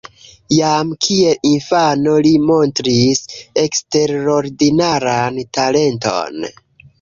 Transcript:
Jam kiel infano li montris eksterordinaran talenton.